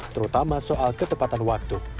terutama soal ketepatan waktu